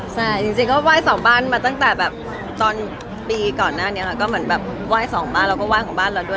จริงก็ว่ายสองบ้านมาตั้งแต่แบบตอนปีก่อนหน้านี้ค่ะก็เหมือนแบบว่ายสองบ้านแล้วก็ว่ายของบ้านเราด้วย